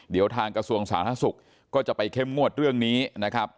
เดี๋ยวทางกระทรวงสาธารณสุขก็จะไปเข้มงวดเรื่องนี้นะครับ